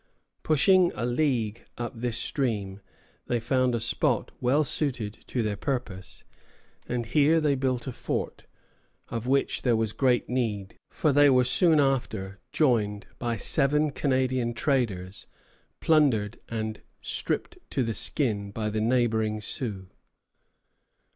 Pushing a league up this stream, they found a spot well suited to their purpose, and here they built a fort, of which there was great need, for they were soon after joined by seven Canadian traders, plundered and stripped to the skin by the neighboring Sioux.